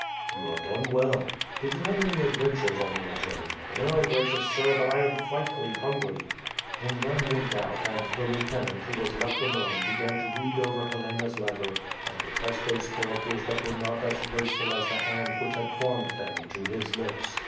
"You have done well. Did you have any adventures on your journey?" "No, gracious sir, but I am frightfully hungry." Jendzian went out and the lieutenant who was left alone began to read over Helena's letter and to press those charac ters that were not as graceful as the hand which had formed them, to his lips.